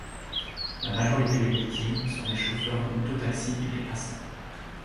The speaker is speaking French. La majorité des victimes sont des chauffeurs de moto-taxis et des passants.